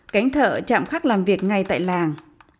cánh thợ chạm khắc làm việc ngay tại làng